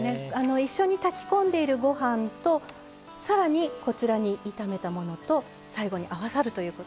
一緒に炊き込んでいるご飯とさらにこちらに炒めたものと最後に合わさるということですから。